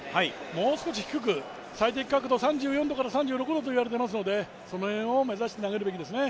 もう少し低く最適角度、３４度から３６度といわれてますのでその辺を目指して投げるべきですね。